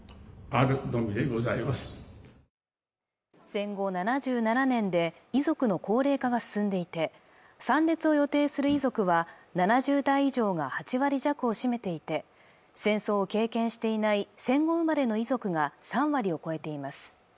戦後７７年で遺族の高齢化が進んでいて参列を予定する遺族は７０代以上が８割弱を占めていて戦争を経験していない戦後生まれの遺族が３割を超えています